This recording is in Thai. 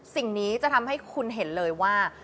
สิ่งนี้จะทำให้คุณเห็นเลยว่า